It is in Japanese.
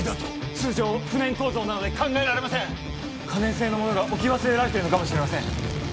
通常不燃構造なので考えられません可燃性のものが置き忘れられているのかもしれません